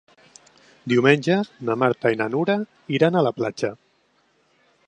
Diumenge na Marta i na Nura iran a la platja.